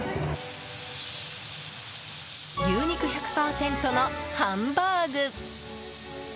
牛肉１００％のハンバーグ。